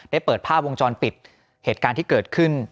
เปิดภาพวงจรปิดเหตุการณ์ที่เกิดขึ้น